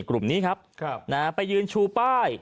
กลุ่มนี้ครับไปยืนชูป้าย